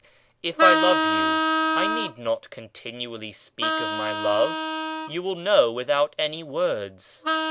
If I love you, I need not continually speak of my love you will know without any words.